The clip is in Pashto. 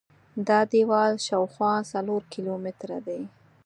دا دیوال شاوخوا څلور کیلومتره دی.